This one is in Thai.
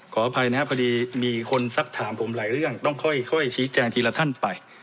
ขออภัยนะครับพอดีมีคนสักถามผมหลายเรื่องต้องค่อยชี้แจงทีละท่านไป